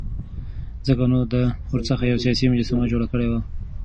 ځکه نو ده ورڅخه یوه سیاسي مجسمه جوړه کړې وه.